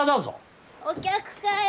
お客かい？